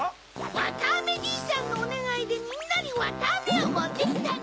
わたあめじいさんのおねがいでみんなにわたあめをもってきたの。